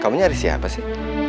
kamu nyari siapa sih